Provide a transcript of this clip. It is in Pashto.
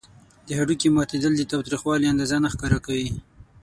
د هډوکي ماتیدل د تاوتریخوالي اندازه نه ښکاره کوي.